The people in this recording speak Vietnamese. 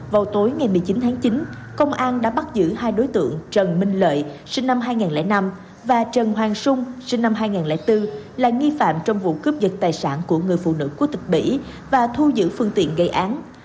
vào tối ngày một mươi chín tháng chín công an đã bắt giữ hai đối tượng trần minh lợi sinh năm hai nghìn năm và trần hoàng sung sinh năm hai nghìn bốn là nghi phạm trong vụ cướp dật tài sản của người phụ nữ quốc tịch bỉ và thu giữ phương tiện gây án